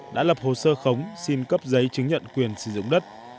đã lập hồ sơ khống xin cấp giấy chứng nhận quyền sử dụng đất